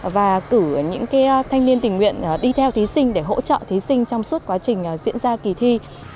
và cử những thanh niên tình nguyện đi theo thí sinh để hỗ trợ thí sinh trong suốt quá trình diễn ra kỳ thi